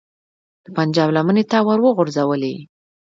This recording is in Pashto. د پنجاب لمنې ته وروغورځولې.